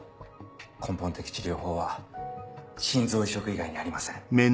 根本的治療法は心臓移植以外にありません。